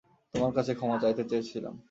তোমার কাছে ক্ষমা চাইতে চেয়েছিলাম।